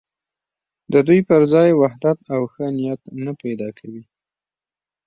د دوی پر ځای وحدت او ښه نیت نه پیدا کوي.